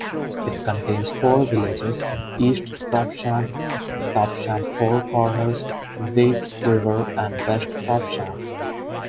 It contains four villages: East Topsham, Topsham Four Corners, Waits River and West Topsham.